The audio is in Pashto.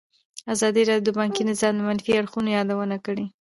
ازادي راډیو د بانکي نظام د منفي اړخونو یادونه کړې.